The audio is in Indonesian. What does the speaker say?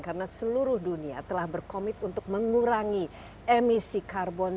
karena seluruh dunia telah berkomit untuk mengurangi emisi karbon